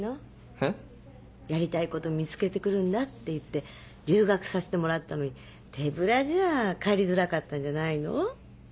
えっ？やりたいこと見つけてくるんだって言って留学させてもらったのに手ぶらじゃあ帰りづらかったんじゃないの？